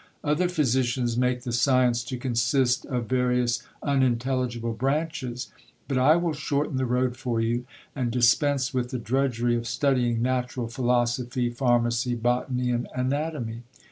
Other phy sicians make the science to consist of various unintelligible branches ; but I will shorten the road for you, and dispense with the drudgery of studying natural philosophy, pharmacy, botany, and anatomy.